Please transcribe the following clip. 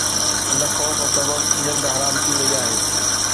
ان خوف سبب ننڊ حرام ٿي وئي آهي.